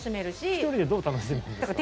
１人でどう楽しむんですか？